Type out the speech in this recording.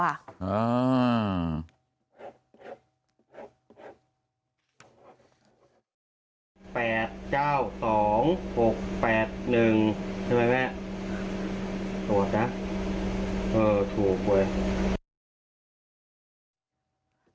๙๒๖๘๑ใช่ไหมแม่ตรวจนะเออถูกไว้